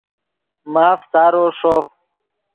ماف سارو ݰوف